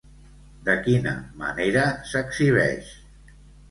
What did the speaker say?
De quina manera s'exhibeix?